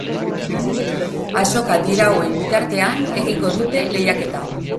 Azokak dirauen bitartean egingo dute lehiaketa.